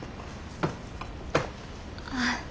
ああ。